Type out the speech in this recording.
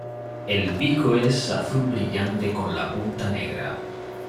El pico es azul brillante con la punta negra.